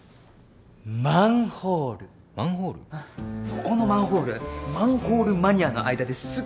ここのマンホールマンホールマニアの間ですっごい有名でさ。